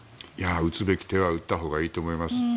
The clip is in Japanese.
打つべき手は打ったほうがいいと思います。